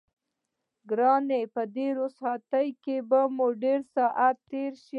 ګرانه په دې رخصتۍ کې به مو ډېر ساعت تېر شي.